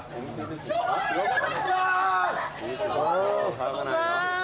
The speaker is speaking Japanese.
騒がないよ。わい。